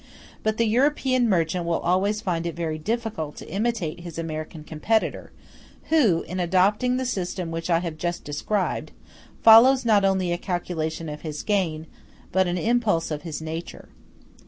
But the European merchant will always find it very difficult to imitate his American competitor, who, in adopting the system which I have just described, follows not only a calculation of his gain, but an impulse of his nature.